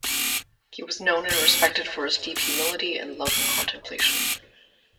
He was known and respected for his deep humility and love of contemplation.